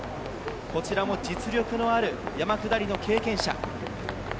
こちらも実力のある山下りの経験者。